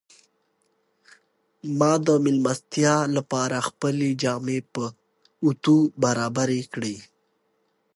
ما د مېلمستیا لپاره خپلې جامې په اوتو برابرې کړې.